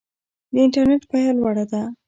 د انټرنیټ بیه لوړه ده؟